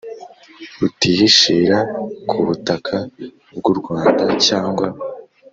butihishira ku butaka bw u Rwanda cyangwa